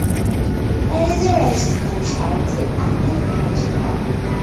It is a registered charity under English law.